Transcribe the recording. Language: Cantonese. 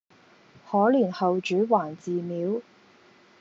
可憐後主還祠廟，